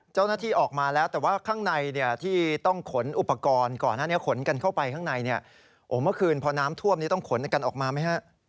เจ้าหน้าที่ออกมาแล้วแต่ว่าข้างในที่ต้องขนอุปกรณ์ก่อนหน้านี้ขนกันเข้าไปข้างในเนี่ยโอ้โหเมื่อคืนพอน้ำท่วมนี้ต้องขนกันออกมาไหมฮะ